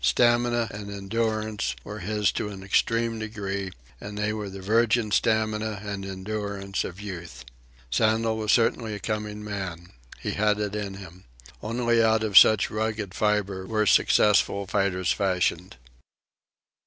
Stamina and endurance were his to an extreme degree, and they were the virgin stamina and endurance of Youth. Sandel was certainly a coming man. He had it in him. Only out of such rugged fibre were successful fighters fashioned.